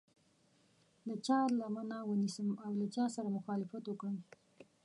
د چا لمنه ونیسم او له چا سره مخالفت وکړم.